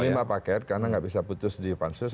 lima paket karena nggak bisa putus di pansus